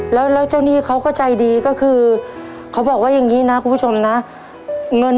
แล้วเจ้าหนี้เขาก็ใจดีก็คือเขาบอกว่าอย่างนี้นะคุณผู้ชมนะเงิน